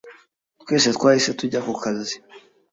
twese twahise tujya ku kazi